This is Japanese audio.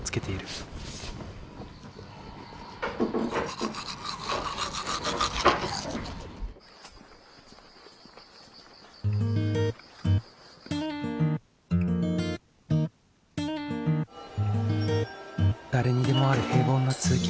誰にでもある平凡な通勤風景。